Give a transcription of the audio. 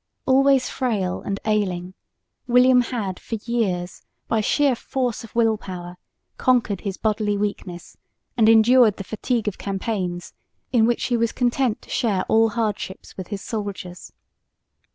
Always frail and ailing, William had for years by sheer force of will power conquered his bodily weakness and endured the fatigue of campaigns in which he was content to share all hardships with his soldiers.